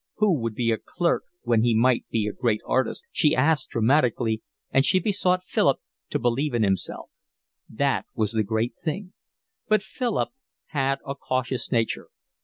Who would be a clerk when he might be a great artist, she asked dramatically, and she besought Philip to believe in himself: that was the great thing. But Philip had a cautious nature.